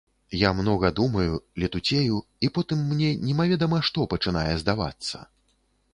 Я многа думаю, летуцею, і потым мне немаведама што пачынае здавацца.